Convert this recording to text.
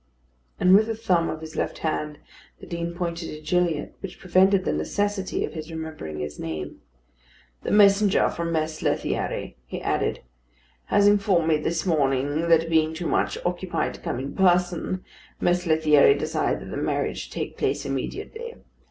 And with the thumb of his left hand the Dean pointed to Gilliatt, which prevented the necessity of his remembering his name. "The messenger from Mess Lethierry," he added, "has informed me this morning that being too much occupied to come in person, Mess Lethierry desired that the marriage should take place immediately.